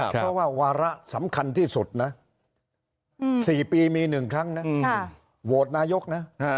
เพราะว่าวาระสำคัญที่สุดนะ๔ปีมี๑ครั้งนะโหวตนายกนะ